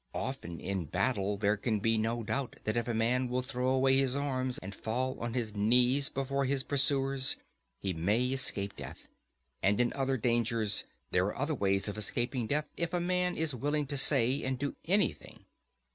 Often in battle there can be no doubt that if a man will throw away his arms, and fall on his knees before his pursuers, he may escape death; and in other dangers there are other ways of escaping death, if a man is willing to say and do anything.